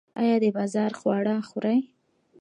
ایا د بازار خواړه خورئ؟